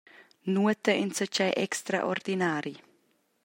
Nuota enzatgei extraordinari.